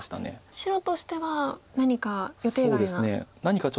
白としては何か予定外な。